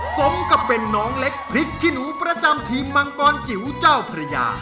สมกับเป็นน้องเล็กพริกขี้หนูประจำทีมมังกรจิ๋วเจ้าพระยา